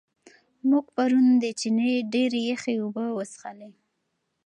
موږ پرون د چینې ډېرې یخې اوبه وڅښلې.